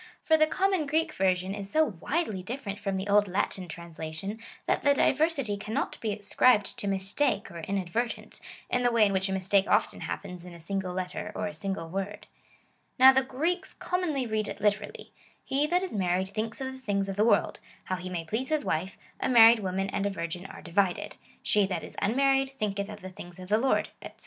For the common Greek version is so widely different from the old Latin translation, that the diversity cannot be ascribed to mistake or inadvertence, in the way in which a mistake often hap pens in a single letter or a single word. Now the Greeks commonly read it literally, " He that is married thinks of the things of the world, how he may please his wife : a married woman and a virgin are divided : She that is unmarried, thinketh of the things of the Lord," &c.